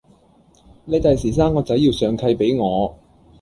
你第時生個仔要上契畀我